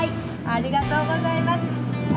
ありがとうございます。